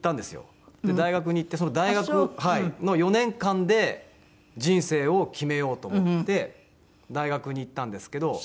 大学に行ってその大学の４年間で人生を決めようと思って大学に行ったんですけど。